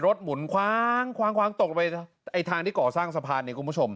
รถหมุนคว้างตกไปทางที่เกาะสร้างสภาษณ์